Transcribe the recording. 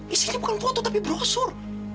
isinya bukan foto tapi brosur